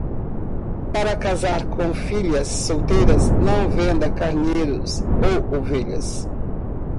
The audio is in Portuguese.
Para casar com filhas solteiras, não venda carneiros ou ovelhas.